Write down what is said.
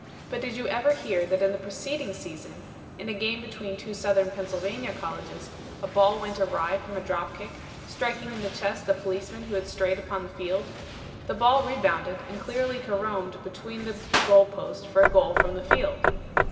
But did you ever hear that in the preceding season, in a game between two Southern Pennsylvania colleges, a ball went awry from a drop kick, striking in the chest a policeman who had strayed upon the field? The ball rebounded and cleanly caromed between the goal post for a goal from the field.